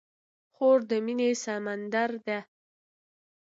خور د مینې سمندر ده.